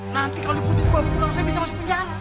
nanti kalau putri dibawa pulang saya bisa masuk penjara